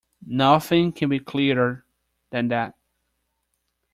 Nothing can be clearer than that.